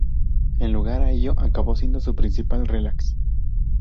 En lugar de ello acabó siendo su "principal relax".